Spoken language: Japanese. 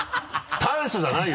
短所じゃないわ！